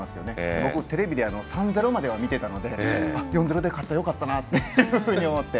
僕テレビで３−０までは見ていたので４−０で勝ってよかったなと思って。